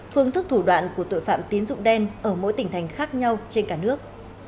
phương thức thủ đoạn của tội phạm tín dụng đen ở mỗi tỉnh thành khác nhau trên cả nước